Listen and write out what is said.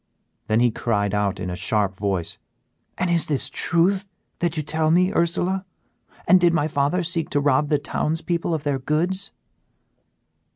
Then he cried out, in a sharp voice, "And is this truth that you tell me, Ursela? and did my father seek to rob the towns people of their goods?"